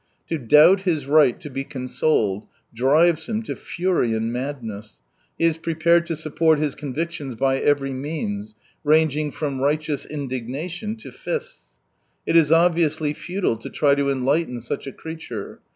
To doubt his right to be consoled drives him to fury and madness. He is prepared to support his convictions by every means — ranging from righteous indignation to fists. It is obvi ously futile to try to enlighten such a creature.